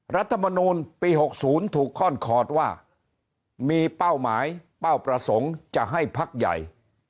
รัฐมนูลปี๖๐ถูกค่อนคอร์ดว่ามีเป้าหมายเป้าประสงค์จะให้พักใหญ่